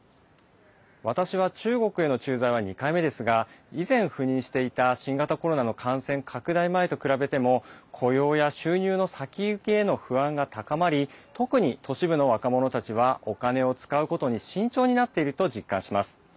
私は中国への駐在は２回目ですが以前、赴任していた新型コロナの感染拡大前と比べても雇用や収入の先行きへの不安が高まり特に都市部の若者たちはお金を使うことに慎重になっていると実感します。